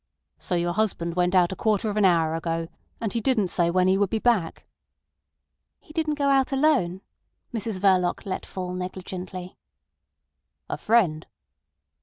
"So your husband went out a quarter of an hour ago! And he didn't say when he would be back?" "He didn't go out alone," Mrs Verloc let fall negligently. "A friend?"